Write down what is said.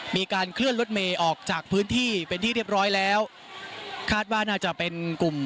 มีการเคลื่อนรถเมย์ออกจากพื้นที่เป็นที่เรียบร้อยแล้วคาดว่าน่าจะเป็นกลุ่ม